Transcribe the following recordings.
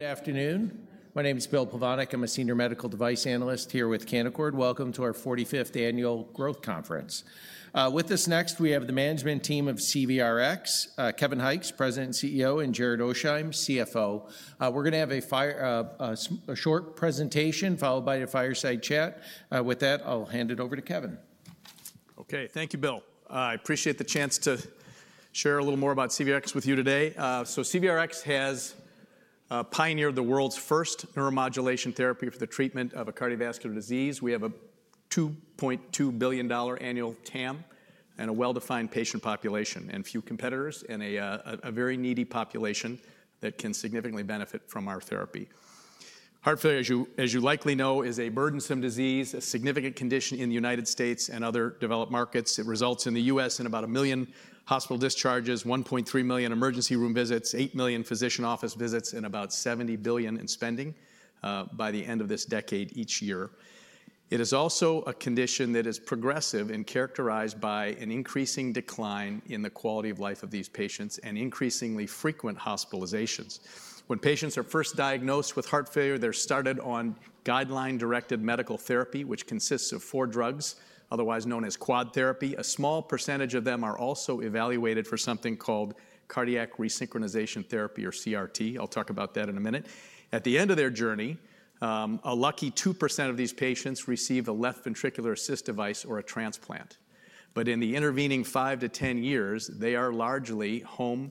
Good afternoon. My name is Bill Pavonic. I'm a Senior Medical Device Analyst here with Canaccord Welcome to our 45th Annual Growth Conference. With us next, we have the management team of CVRx, Kevin Hykes, President and CEO, and Jared Oasheim, CFO. We're going to have a short presentation followed by a fireside chat. With that, I'll hand it over to Kevin. Okay, thank you, Bill. I appreciate the chance to share a little more about CVRx with you today. CVRx has pioneered the world's first neuromodulation therapy for the treatment of a cardiovascular disease. We have a $2.2 billion annual TAM and a well-defined patient population, few competitors, and a very needy population that can significantly benefit from our therapy. Heart failure, as you likely know, is a burdensome disease, a significant condition in the U.S. and other developed markets. It results in the U.S. in about a million hospital discharges, 1.3 million emergency room visits, 8 million physician office visits, and about $70 billion in spending by the end of this decade each year. It is also a condition that is progressive and characterized by an increasing decline in the quality of life of these patients and increasingly frequent hospitalizations. When patients are first diagnosed with heart failure, they're started on guideline-directed medical therapy, which consists of four drugs, otherwise known as quad therapy. A small percentage of them are also evaluated for something called cardiac resynchronization therapy, or CRT. I'll talk about that in a minute. At the end of their journey, a lucky 2% of these patients receive a left ventricular assist device or a transplant. In the intervening five to 10 years, they are largely home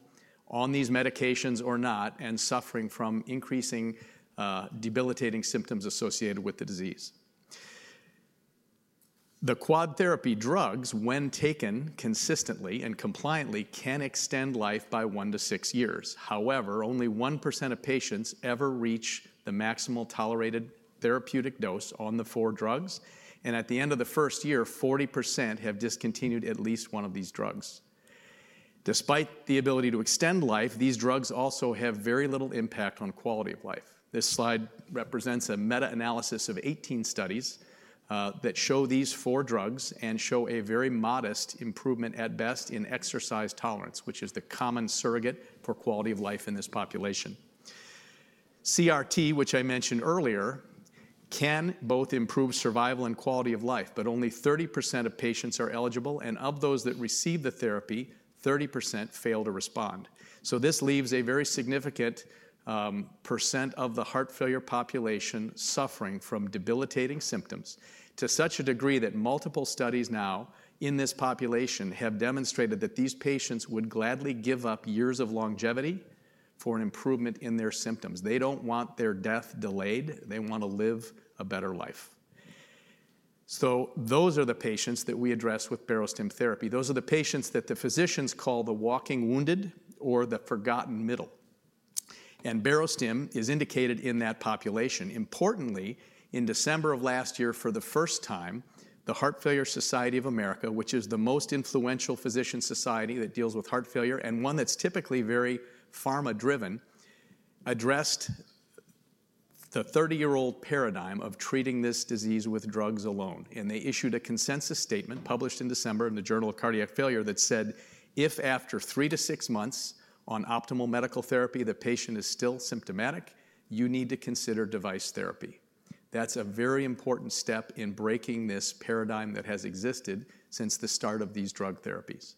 on these medications or not and suffering from increasing debilitating symptoms associated with the disease. The quad therapy drugs, when taken consistently and compliantly, can extend life by one to six years. However, only 1% of patients ever reach the maximal tolerated therapeutic dose on the four drugs, and at the end of the first year, 40% have discontinued at least one of these drugs. Despite the ability to extend life, these drugs also have very little impact on quality of life. This slide represents a meta-analysis of 18 studies that show these four drugs and show a very modest improvement at best in exercise tolerance, which is the common surrogate for quality of life in this population. CRT, which I mentioned earlier, can both improve survival and quality of life, but only 30% of patients are eligible, and of those that receive the therapy, 30% fail to respond. This leaves a very significant % of the heart failure population suffering from debilitating symptoms to such a degree that multiple studies now in this population have demonstrated that these patients would gladly give up years of longevity for an improvement in their symptoms. They don't want their death delayed; they want to live a better life. Those are the patients that we address with Barostim therapy. Those are the patients that the physicians call the walking wounded or the forgotten middle, and Barostim is indicated in that population. Importantly, in December of last year, for the first time, the Heart Failure Society of America, which is the most influential physician society that deals with heart failure and one that's typically very pharma-driven, addressed the 30-year-old paradigm of treating this disease with drugs alone. They issued a consensus statement published in December in the Journal of Cardiac Failure that said, "If after three to six months on optimal medical therapy the patient is still symptomatic, you need to consider device therapy." That's a very important step in breaking this paradigm that has existed since the start of these drug therapies.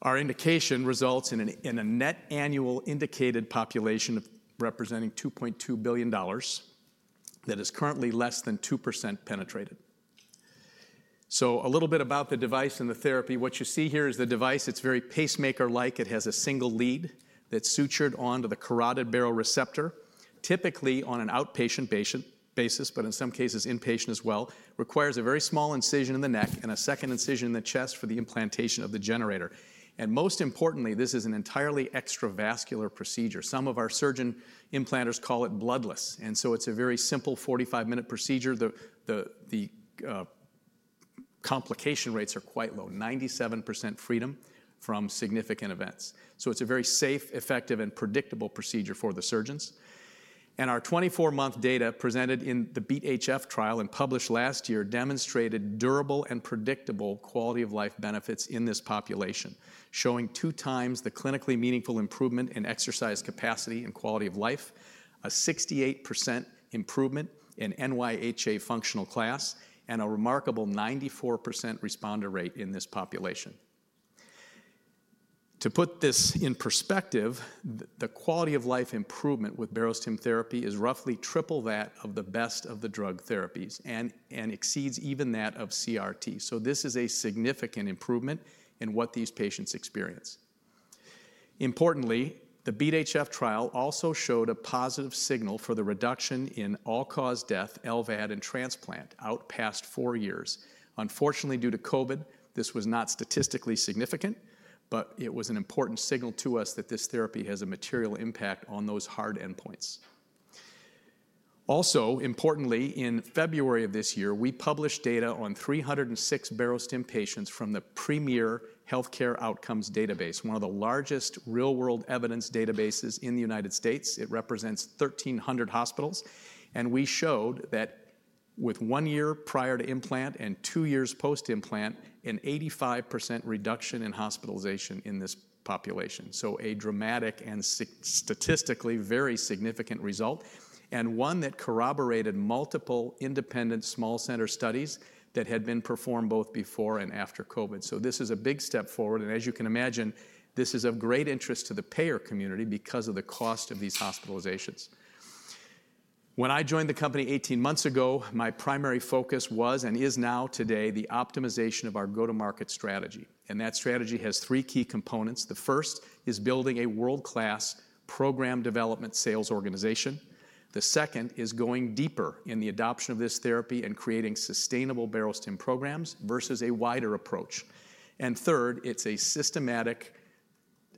Our indication results in a net annual indicated population representing $2.2 billion that is currently less than 2% penetrated. A little bit about the device and the therapy. What you see here is the device; it's very pacemaker-like. It has a single lead that's sutured onto the carotid baroreceptor, typically on an outpatient basis, but in some cases inpatient as well. It requires a very small incision in the neck and a second incision in the chest for the implantation of the generator. Most importantly, this is an entirely extravascular procedure. Some of our surgeon implanters call it bloodless, and it's a very simple 45-minute procedure. The complication rates are quite low, 97% freedom from significant events. It's a very safe, effective, and predictable procedure for the surgeons. Our 24-month data presented in the BeAT-HF trial and published last year demonstrated durable and predictable quality of life benefits in this population, showing two times the clinically meaningful improvement in exercise capacity and quality of life, a 68% improvement in NYHA functional class, and a remarkable 94% responder rate in this population. To put this in perspective, the quality of life improvement with Barostim therapy is roughly triple that of the best of the drug therapies and exceeds even that of CRT. This is a significant improvement in what these patients experience. Importantly, the BeAT-HF trial also showed a positive signal for the reduction in all-cause death, LVAD, and transplant out past four years. Unfortunately, due to COVID, this was not statistically significant, but it was an important signal to us that this therapy has a material impact on those hard endpoints. Also, importantly, in February of this year, we published data on 306 Barostim patients from the Premier Healthcare Outcomes Database, one of the largest real-world evidence databases in the United States. It represents 1,300 hospitals, and we showed that with one year prior to implant and two years post-implant, an 85% reduction in hospitalization in this population. This is a dramatic and statistically very significant result, and one that corroborated multiple independent small center studies that had been performed both before and after COVID. This is a big step forward, and as you can imagine, this is of great interest to the payer community because of the cost of these hospitalizations. When I joined the company 18 months ago, my primary focus was and is now today the optimization of our go-to-market strategy, and that strategy has three key components. The first is building a world-class program development sales organization. The second is going deeper in the adoption of this therapy and creating sustainable Barostim programs versus a wider approach. Third, it's a systematic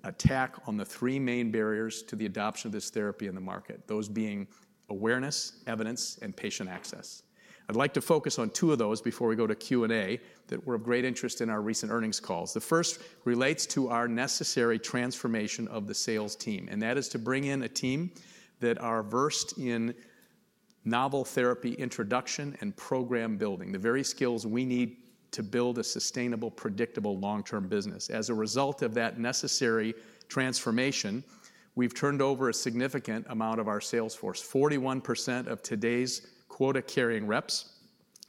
attack on the three main barriers to the adoption of this therapy in the market, those being awareness, evidence, and patient access. I'd like to focus on two of those before we go to Q&A that were of great interest in our recent earnings calls. The first relates to our necessary transformation of the sales team, and that is to bring in a team that are versed in novel therapy introduction and program building, the very skills we need to build a sustainable, predictable, long-term business. As a result of that necessary transformation, we've turned over a significant amount of our sales force. 41% of today's quota-carrying reps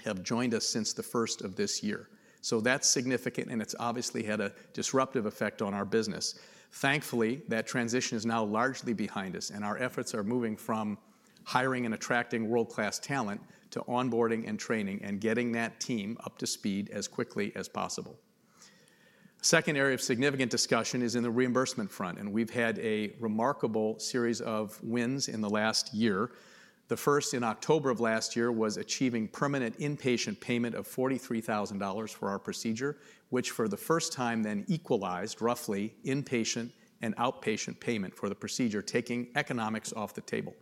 have joined us since the first of this year. That's significant, and it's obviously had a disruptive effect on our business. Thankfully, that transition is now largely behind us, and our efforts are moving from hiring and attracting world-class talent to onboarding and training and getting that team up to speed as quickly as possible. The second area of significant discussion is in the reimbursement front, and we've had a remarkable series of wins in the last year. The first in October of last year was achieving permanent inpatient payment of $43,000 for our procedure, which for the first time then equalized roughly inpatient and outpatient payment for the procedure, taking economics off the table.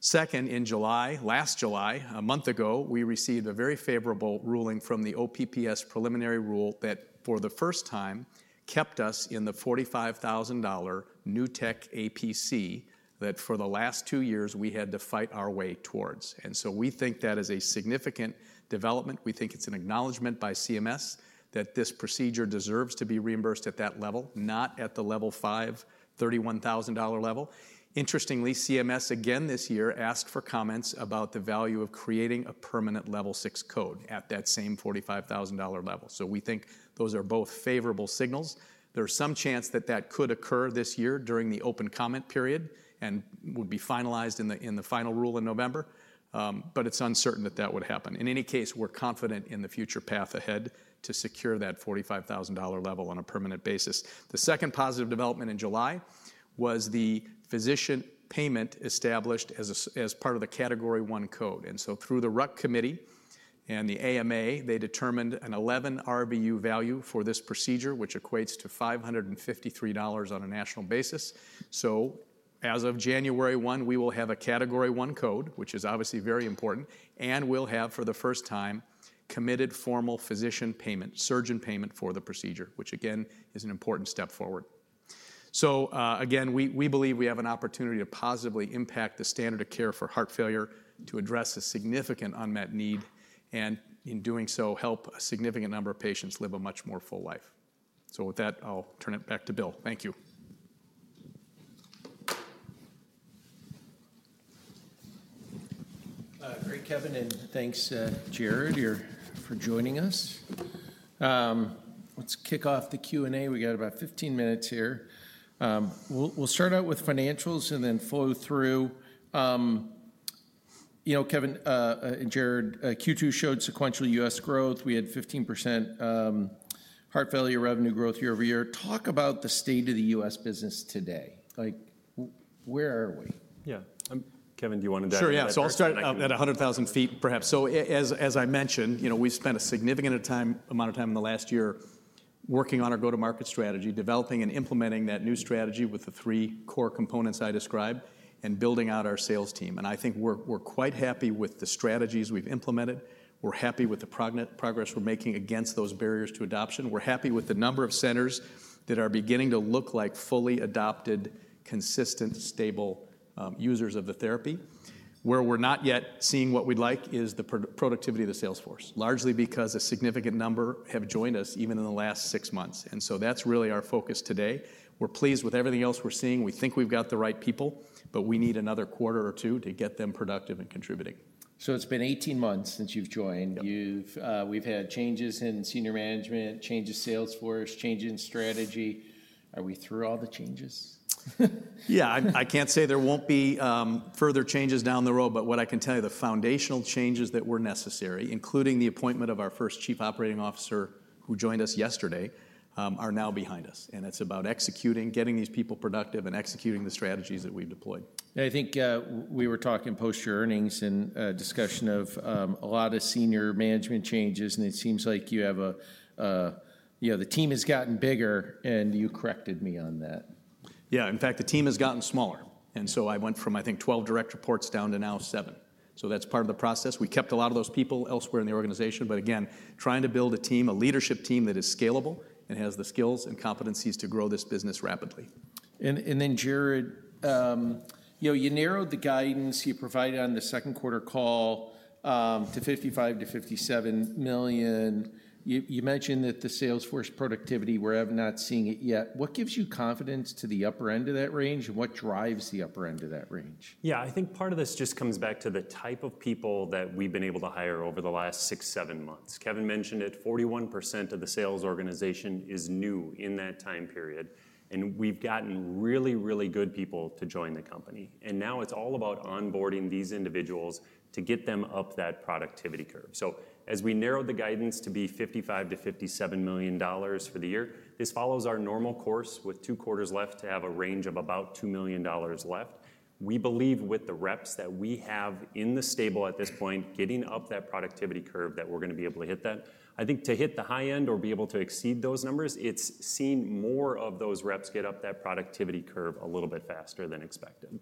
Second, in July, last July, a month ago, we received a very favorable ruling from the OPPS preliminary rule that for the first time kept us in the $45,000 new tech APC that for the last two years we had to fight our way towards. We think that is a significant development. We think it's an acknowledgment by CMS that this procedure deserves to be reimbursed at that level, not at the level five, $31,000 level. Interestingly, CMS again this year asked for comments about the value of creating a permanent level six code at that same $45,000 level. We think those are both favorable signals. There's some chance that that could occur this year during the open comment period and would be finalized in the final rule in November, but it's uncertain that that would happen. In any case, we're confident in the future path ahead to secure that $45,000 level on a permanent basis. The second positive development in July was the physician payment established as part of the Category I code. Through the RUC committee and the AMA, they determined an 11 RBU value for this procedure, which equates to $553 on a national basis. As of January 1, we will have a Category I code, which is obviously very important, and we'll have for the first time committed formal physician payment, surgeon payment for the procedure, which again is an important step forward. We believe we have an opportunity to positively impact the standard of care for heart failure, to address a significant unmet need, and in doing so, help a significant number of patients live a much more full life. With that, I'll turn it back to Bill. Thank you. Great, Kevin, and thanks, Jared, for joining us. Let's kick off the Q&A. We've got about 15 minutes here. We'll start out with financials and then flow through. You know, Kevin and Jared, Q2 showed sequential U.S. growth. We had 15% heart failure revenue growth year-over-year. Talk about the state of the U.S. business today. Like, where are we? Yeah, Kevin, do you want to dive in? Sure, yeah. I'll start at 100,000 ft perhaps. As I mentioned, we've spent a significant amount of time in the last year working on our go-to-market strategy, developing and implementing that new strategy with the three core components I described and building out our sales team. I think we're quite happy with the strategies we've implemented. We're happy with the progress we're making against those barriers to adoption. We're happy with the number of centers that are beginning to look like fully adopted, consistent, stable users of the therapy. Where we're not yet seeing what we'd like is the productivity of the sales force, largely because a significant number have joined us even in the last six months. That's really our focus today. We're pleased with everything else we're seeing. We think we've got the right people, but we need another quarter or two to get them productive and contributing. It's been 18 months since you've joined. We've had changes in Senior Management, change of sales force, change in strategy. Are we through all the changes? Yeah, I can't say there won't be further changes down the road, but what I can tell you, the foundational changes that were necessary, including the appointment of our first Chief Operating Officer who joined us yesterday, are now behind us. It's about executing, getting these people productive, and executing the strategies that we've deployed. I think we were talking post-earnings and a discussion of a lot of Senior Management changes, and it seems like you have a, you know, the team has gotten bigger, and you corrected me on that. Yeah, in fact, the team has gotten smaller. I went from, I think, 12 direct reports down to now seven. That's part of the process. We kept a lot of those people elsewhere in the organization, again, trying to build a team, a leadership team that is scalable and has the skills and competencies to grow this business rapidly. Jared, you narrowed the guidance you provided on the second quarter call to $55 million-$57 million. You mentioned that the sales force productivity, we're not seeing it yet. What gives you confidence to the upper end of that range, and what drives the upper end of that range? Yeah, I think part of this just comes back to the type of people that we've been able to hire over the last six, seven months. Kevin mentioned it, 41% of the sales organization is new in that time period, and we've gotten really, really good people to join the company. Now it's all about onboarding these individuals to get them up that productivity curve. As we narrowed the guidance to be $55 million-$57 million for the year, this follows our normal course with two quarters left to have a range of about $2 million left. We believe with the reps that we have in the stable at this point, getting up that productivity curve that we're going to be able to hit that.I think to hit the high end or be able to exceed those numbers, it's seeing more of those reps get up that productivity curve a little bit faster than expected.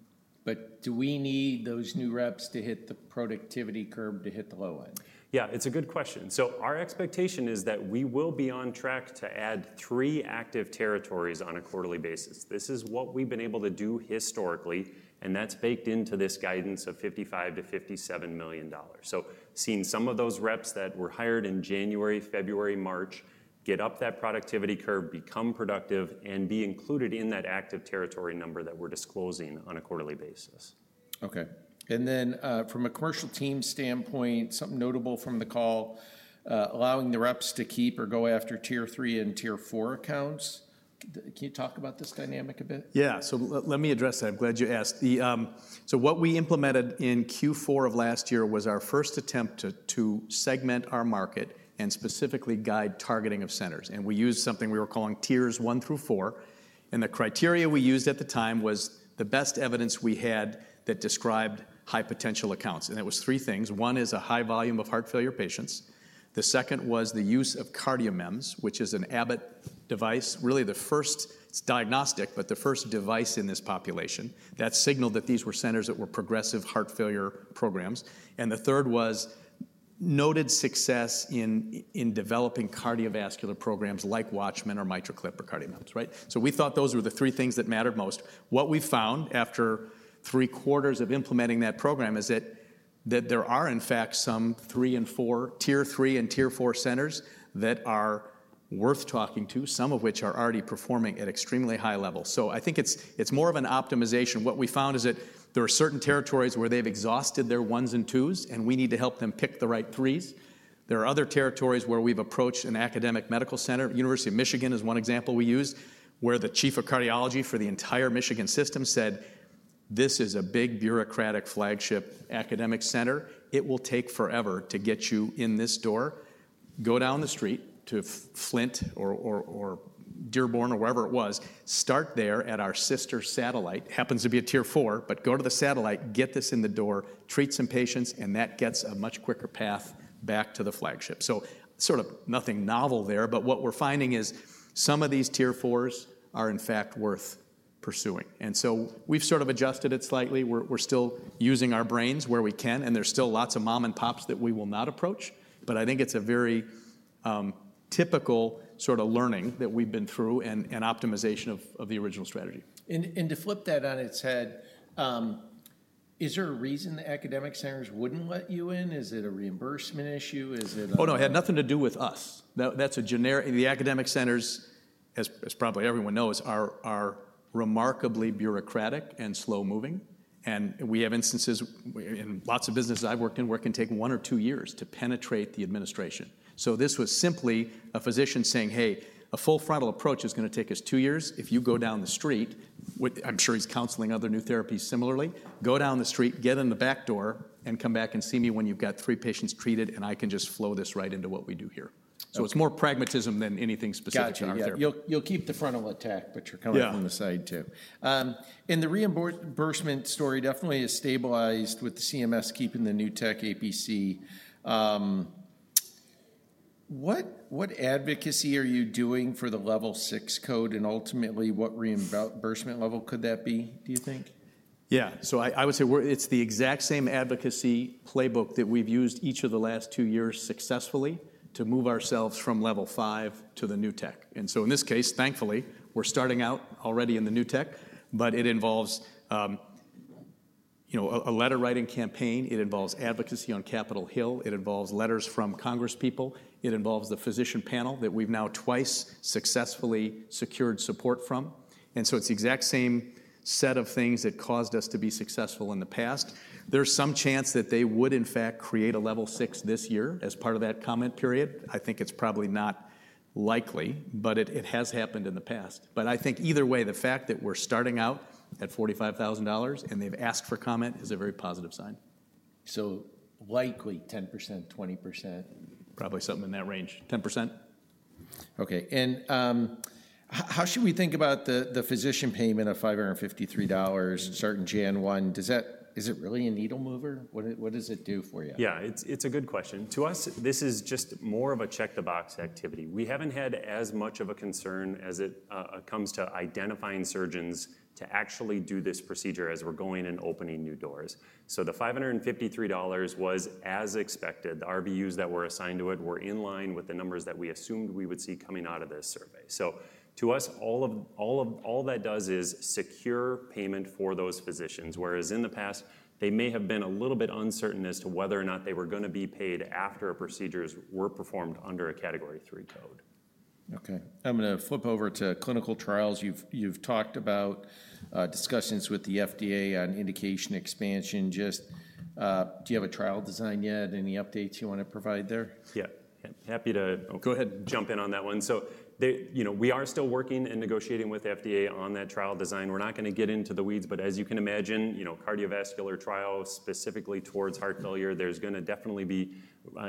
Do we need those new reps to hit the productivity curve to hit the low end? It's a good question. Our expectation is that we will be on track to add three active territories on a quarterly basis. This is what we've been able to do historically, and that's baked into this guidance of $55 million-$57 million. Seeing some of those reps that were hired in January, February, March get up that productivity curve, become productive, and be included in that active territory number that we're disclosing on a quarterly basis. Okay. From a commercial team standpoint, something notable from the call, allowing the reps to keep or go after tier three and tier four accounts. Can you talk about this dynamic a bit? Let me address that. I'm glad you asked. What we implemented in Q4 of last year was our first attempt to segment our market and specifically guide targeting of centers. We used something we were calling tiers one through four. The criteria we used at the time was the best evidence we had that described high potential accounts. It was three things. One is a high volume of heart failure patients. The second was the use of CardioMEMs, which is an Abbott device, really the first, it's diagnostic, but the first device in this population that signaled that these were centers that were progressive heart failure programs. The third was noted success in developing cardiovascular programs like Watchman or MitraClip or CardioMEMs, right? We thought those were the three things that mattered most. What we found after three quarters of implementing that program is that there are, in fact, some tier three and tier four centers that are worth talking to, some of which are already performing at extremely high levels. I think it's more of an optimization. What we found is that there are certain territories where they've exhausted their ones and twos, and we need to help them pick the right threes. There are other territories where we've approached an academic medical center. University of Michigan is one example we use, where the Chief of Cardiology for the entire Michigan system said, "This is a big bureaucratic flagship academic center. It will take forever to get you in this door. Go down the street to Flint or Dearborn or wherever it was, start there at our sister satellite. It happens to be a tier four, but go to the satellite, get this in the door, treat some patients, and that gets a much quicker path back to the flagship." Nothing novel there, but what we're finding is some of these tier fours are in fact worth pursuing. We've sort of adjusted it slightly. We're still using our brains where we can, and there's still lots of mom and pops that we will not approach, but I think it's a very typical sort of learning that we've been through and optimization of the original strategy. To flip that on its head, is there a reason the academic centers wouldn't let you in? Is it a reimbursement issue? Is it a... Oh, no, it had nothing to do with us. That's a generic... The academic centers, as probably everyone knows, are remarkably bureaucratic and slow-moving. We have instances in lots of businesses I work in where it can take one or two years to penetrate the administration. This was simply a physician saying, "Hey, a full frontal approach is going to take us two years. If you go down the street," I'm sure he's counseling other new therapies similarly, "go down the street, get in the back door, and come back and see me when you've got three patients treated, and I can just flow this right into what we do here." It's more pragmatism than anything specific in our therapy. You'll keep the frontal attack, but you're coming from the side too. The reimbursement story definitely is stabilized with CMS keeping the new tech APC. What advocacy are you doing for the level six code, and ultimately what reimbursement level could that be, do you think? Yeah, I would say it's the exact same advocacy playbook that we've used each of the last two years successfully to move ourselves from level five to the new tech. In this case, thankfully, we're starting out already in the new tech, but it involves a letter-writing campaign. It involves advocacy on Capitol Hill. It involves letters from congresspeople. It involves the physician panel that we've now twice successfully secured support from. It's the exact same set of things that caused us to be successful in the past. There's some chance that they would in fact create a level six this year as part of that comment period. I think it's probably not likely, but it has happened in the past. I think either way, the fact that we're starting out at $45,000 and they've asked for comment is a very positive sign. Likely 10%-20%? Probably something in that range, 10%. Okay. How should we think about the physician payment of $553 starting January 1? Is it really a needle mover? What does it do for you? Yeah, it's a good question. To us, this is just more of a check-the-box activity. We haven't had as much of a concern as it comes to identifying surgeons to actually do this procedure as we're going and opening new doors. The $553 was as expected. The RVUs that were assigned to it were in line with the numbers that we assumed we would see coming out of this survey. To us, all that does is secure payment for those physicians, whereas in the past, they may have been a little bit uncertain as to whether or not they were going to be paid after procedures were performed under a Category III code. Okay. I'm going to flip over to clinical trials. You've talked about discussions with the FDA on indication expansion. Do you have a trial design yet? Any updates you want to provide there? Yeah, happy to go ahead and jump in on that one. We are still working and negotiating with the FDA on that trial design. We're not going to get into the weeds, but as you can imagine, cardiovascular trials specifically towards heart failure, there's going to definitely be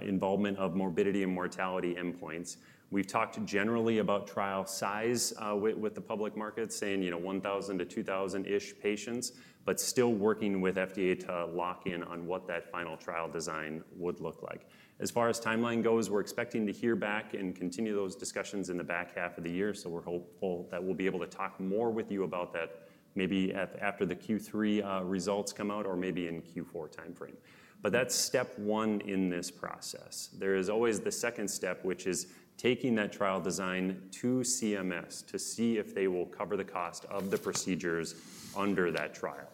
involvement of morbidity and mortality endpoints. We've talked generally about trial size with the public market, saying 1,000-2,000-ish patients, but still working with FDA to lock in on what that final trial design would look like. As far as timeline goes, we're expecting to hear back and continue those discussions in the back half of the year. We're hopeful that we'll be able to talk more with you about that maybe after the Q3 results come out or maybe in the Q4 timeframe. That's step one in this process. There is always the second step, which is taking that trial design to CMS to see if they will cover the cost of the procedures under that trial.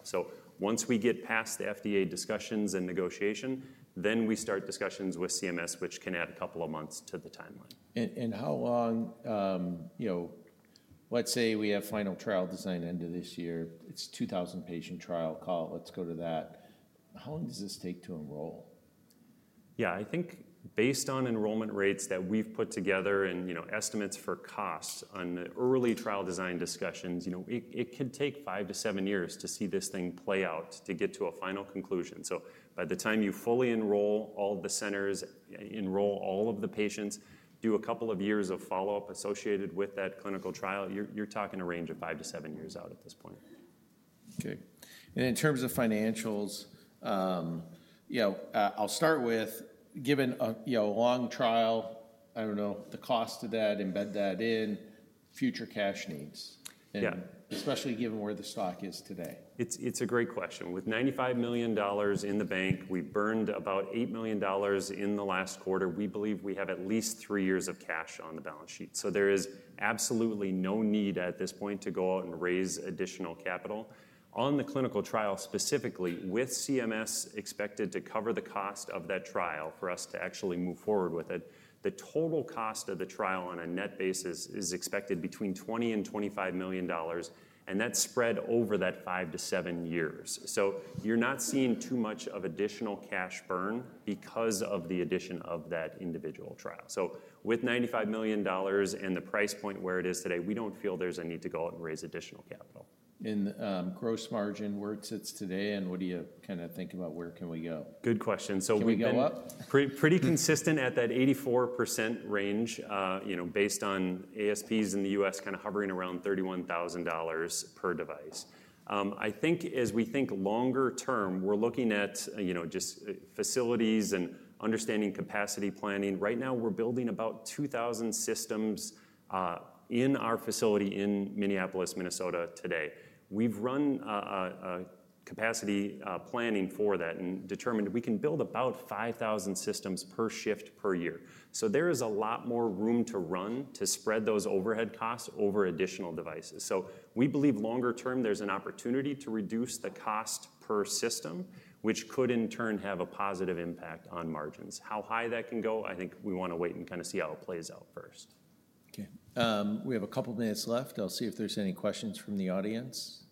Once we get past the FDA discussions and negotiation, we start discussions with CMS, which can add a couple of months to the timeline. If we have final trial design end of this year, it's a 2,000 patient trial call, let's go to that. How long does this take to enroll? I think based on enrollment rates that we've put together and estimates for costs on the early trial design discussions, it could take five to seven years to see this thing play out to get to a final conclusion. By the time you fully enroll all the centers, enroll all of the patients, do a couple of years of follow-up associated with that clinical trial, you're talking a range of five to seven years out at this point. Okay. In terms of financials, I'll start with given a long trial, I don't know the cost of that, embed that in future cash needs, especially given where the stock is today. It's a great question. With $95 million in the bank, we burned about $8 million in the last quarter. We believe we have at least three years of cash on the balance sheet. There is absolutely no need at this point to go out and raise additional capital. On the clinical trial specifically, with CMS expected to cover the cost of that trial for us to actually move forward with it, the total cost of the trial on a net basis is expected between $20 million and $25 million, and that's spread over that 5 to 7 years. You're not seeing too much of additional cash burn because of the addition of that individual trial. With $95 million and the price point where it is today, we don't feel there's a need to go out and raise additional capital. Gross margin, where it sits today, and what do you kind of think about where can we go? Good question. We're going to go up pretty consistent at that 84% range, you know, based on ASPs in the U.S. kind of hovering around $31,000 per device. I think as we think longer term, we're looking at, you know, just facilities and understanding capacity planning. Right now, we're building about 2,000 systems in our facility in Minneapolis, Minnesota today. We've run capacity planning for that and determined we can build about 5,000 systems per shift per year. There is a lot more room to run to spread those overhead costs over additional devices. We believe longer term, there's an opportunity to reduce the cost per system, which could in turn have a positive impact on margins. How high that can go, I think we want to wait and kind of see how it plays out first. Okay. We have a couple of minutes left. I'll see if there's any questions from the audience.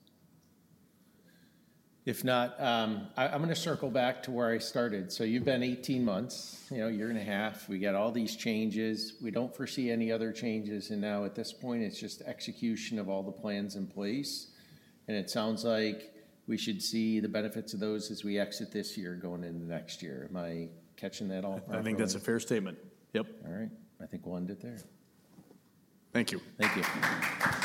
If not, I'm going to circle back to where I started. You've been 18 months, you know, a year and a half. We get all these changes. We don't foresee any other changes, and at this point, it's just execution of all the plans in place. It sounds like we should see the benefits of those as we exit this year going into next year. Am I catching that all? I think that's a fair statement. Yep. All right. I think we'll end it there. Thank you. Thank you. Okay.